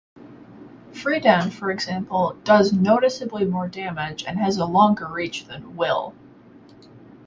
Freedan, for example, does noticeably more damage, and has a longer reach than Will.